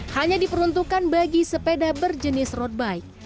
hanya diperuntukkan bagi sepeda berjenis road bike